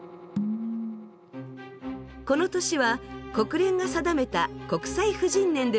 この年は国連が定めた「国際婦人年」でもありました。